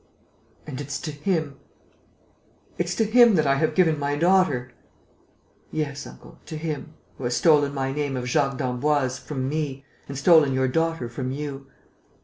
"And it's to him ... it's to him that I have given my daughter!" "Yes, uncle, to him, who has stolen my name of Jacques d'Emboise from me and stolen your daughter from you.